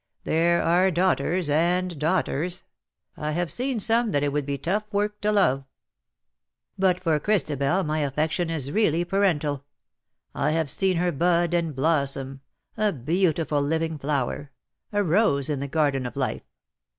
There are daughters and daughters — I have seen some that it would be tough work to love. But for Christabel my affection is really parental. I have seen her bud and blossom, a beautiful living flower, a rose in the garden of life.''